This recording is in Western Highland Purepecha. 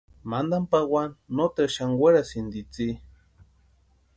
Mantani pawani noteru xani werasïnti itsï.